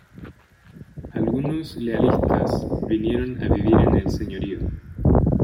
Algunos Lealistas vinieron a vivir en el señorío.